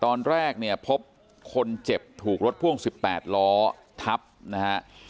ตอนแรกเนี่ยพบคนเจ็บถูกรถพ่วง๑๘ล้อทับนะฮะ